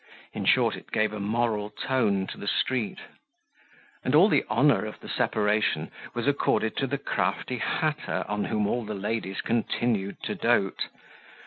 In short, it gave a moral tone to the street. And all the honor of the separation was accorded to the crafty hatter on whom all the ladies continued to dote.